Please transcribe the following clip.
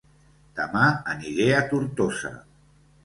Dema aniré a Tortosa